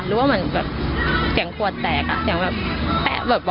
หรือว่าเหมือนแบบเสียงกลัวแตก